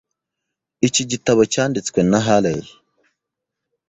Iki gitabo cyanditswe na Haley.